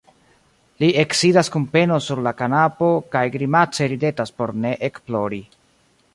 Li eksidas kun peno sur la kanapo kaj grimace ridetas por ne ekplori.